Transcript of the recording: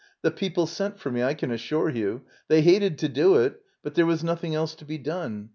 ] The people sent for me, I can assure you. They hated to do it, but there was nothing else to be done.